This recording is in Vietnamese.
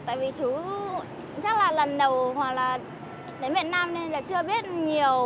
tại vì chú chắc là lần đầu hoặc là đến việt nam nên là chưa biết nhiều